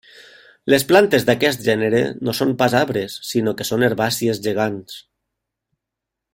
Les plantes d'aquest gènere no són pas arbres sinó que són herbàcies gegants.